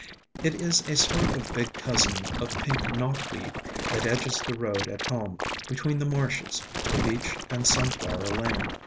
It is a sort of big cousin of the pink Knotweed, that edges the road at home, between the marshes, the beach and Sun flower Lane.